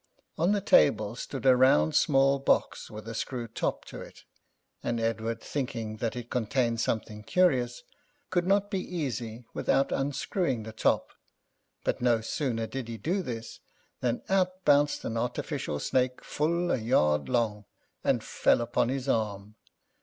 [Pg 42] On the table stood a round small box with a screw top to it, and Edward, thinking that it contained something curious, could not be easy without unscrewing the top, but no sooner did he do this, than out bounced an artificial snake, full a yard long, and fell upon his arm.